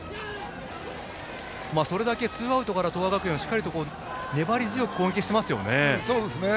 それだけツーアウトから東亜学園はしっかり粘り強く攻撃をしていますね。